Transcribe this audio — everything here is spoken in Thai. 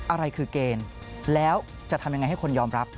อะไรคือเกณฑ์แล้วจะทำยังไงให้คนยอมรับ